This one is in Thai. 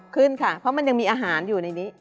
ขึ้นค่ะเพราะมันยังมีอาหารอยู่ในนี้